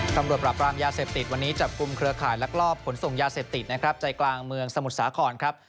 ตำรวจปราบรามยาเสพติดวันนี้จับกลุ่มเครือข่ายลักลอบขนส่งยาเสพติดนะครับใจกลางเมืองสมุทรสาครครับ